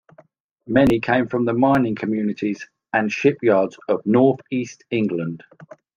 Many came from the mining communities and shipyards of North East England.